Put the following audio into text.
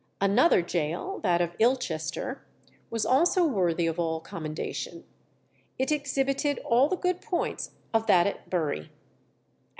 Another gaol, that of Ilchester, was also worthy of all commendation. It exhibited all the good points of that at Bury.